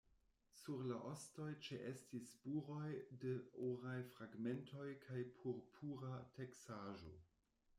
Sur la ostoj ĉeestis spuroj de oraj fragmentoj kaj purpura teksaĵo.